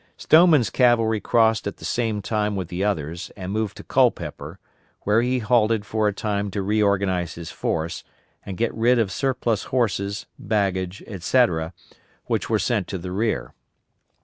Stoneman's cavalry crossed at the same time with the others, and moved to Culpeper, where he halted for a time to reorganize his force, and get rid of surplus horses, baggage, etc., which were sent to the rear.